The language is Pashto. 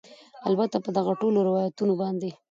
البته په دغه ټولو روایتونو باندې